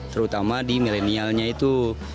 terutama di millennialnya itu